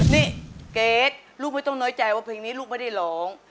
นี่เกรทลูกไม่ต้องน้อยใจว่าเพลงนี้ลูกไม่ได้ร้อง